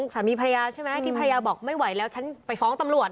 สามีภรรยาใช่ไหมที่ภรรยาบอกไม่ไหวแล้วฉันไปฟ้องตำรวจ